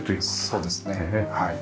そうですねはい。